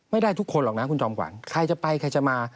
ไม่ได้ทุกคนหรอกนะคุณจอมขวัญใครจะไปใครจะมา